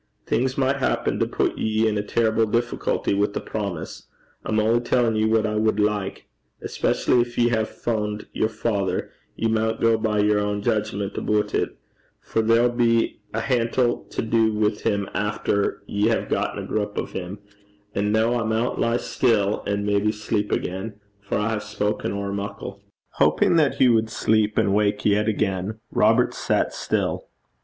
Things micht happen to put ye in a terrible difficulty wi' a promise. I'm only tellin' ye what I wad like. Especially gin ye hae fund yer father, ye maun gang by yer ain jeedgment aboot it, for there 'll be a hantle to do wi' him efter ye hae gotten a grup o' 'im. An' noo, I maun lie still, an' maybe sleep again, for I hae spoken ower muckle.' Hoping that he would sleep and wake yet again, Robert sat still.